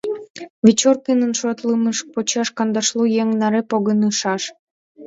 Вечоркинын шотлымыж почеш кандашлу еҥ наре погынышаш.